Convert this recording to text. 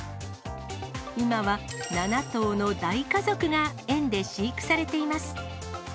今は７頭の大家族が園で飼育されています。